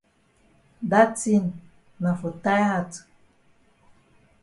Da tin na for tie hat.